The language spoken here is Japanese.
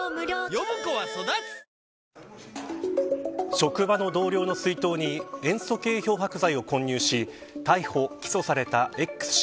職場の同僚の水筒に塩素系漂白剤を混入し逮捕、起訴されたＸ氏。